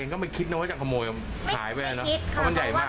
เหมือนส่วนตนของเราน่าก็ไม่คิดนะว่ากันใช่ไหม